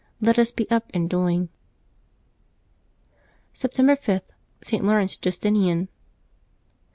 Let us be up and doing. September 5.— ST. LAURENCE JUSTINIAN.